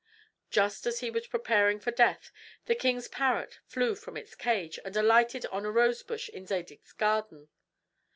Just as he was preparing for death the king's parrot flew from its cage and alighted on a rosebush in Zadig's garden.